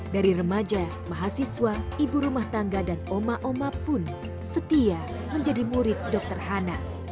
dari remaja mahasiswa ibu rumah tangga dan oma oma pun setia menjadi murid dokter hana